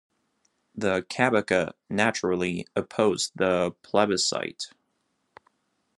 The kabaka, naturally, opposed the plebiscite.